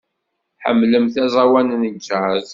Ḥemmlent aẓawan n jazz.